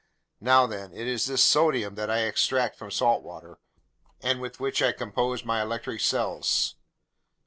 Now then, it's this sodium that I extract from salt water and with which I compose my electric cells."